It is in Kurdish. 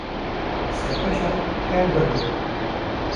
Qîsexweşan ker dan guran.